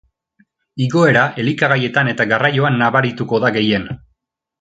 Igoera elikagaietan eta garraioan nabarituko da gehien.